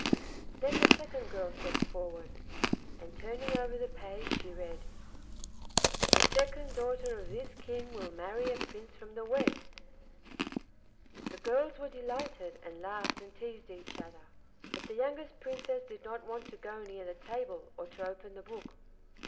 Then the second girl stepped forward, and turning over the page she read: 'The second daughter of this King will marry a prince from the West.' The girls were delighted, and laughed and teased each other. But the youngest Princess did not want to go near the table or to open the book.